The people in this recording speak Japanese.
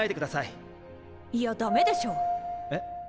いやダメでしょ。え？